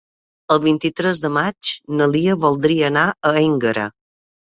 El vint-i-tres de maig na Lia voldria anar a Énguera.